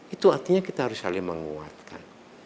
itu artinya kita harus saling menguatkan